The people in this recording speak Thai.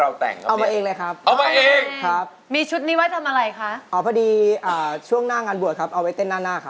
อย่างงี้ขอซต์ชอบล้อเต้นมันเลยสิ